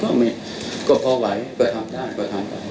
ก็พอไหวก็ทำตามก็ทำตาม